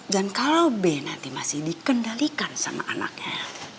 dan kalau bi nanti masih dikendalikan sama anaknya